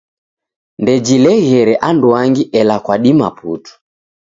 Ndejileghere anduangi ela kwadima putu.